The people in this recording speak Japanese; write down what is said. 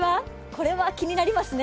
これは気になりますね。